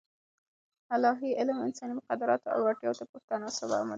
الاهي علم انساني مقدراتو او اړتیاوو ته په تناسب عام دی.